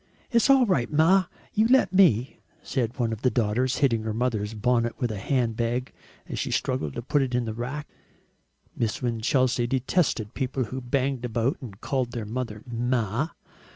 "It's all right, Ma, you let me," said one of the daughters, hitting her mother's bonnet with a handbag she struggled to put in the rack. Miss Winchelsea detested people who banged about and called their mother "Ma."